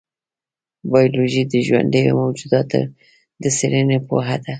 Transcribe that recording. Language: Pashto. بایولوژي د ژوندیو موجوداتو د څېړنې پوهه ده.